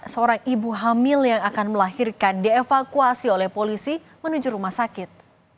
seorang ibu hamil yang akan melahirkan dievakuasi oleh polisi menuju rumah sakit